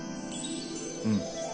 うん。